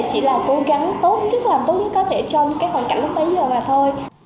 chỉ là cố gắng tốt chức làm tốt nhất có thể trong cái hoàn cảnh lúc bây giờ mà thôi